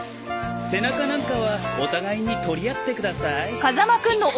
背中なんかはお互いに取り合ってください。